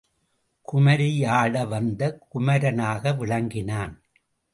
குமரியாட வந்த குமரனாக விளங்கினான்.